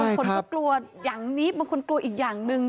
คนก็กลัวอย่างนี้บางคนกลัวอีกอย่างหนึ่ง